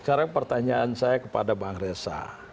sekarang pertanyaan saya kepada bang reza